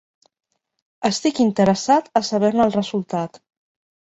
Estic interessat a saber-ne el resultat.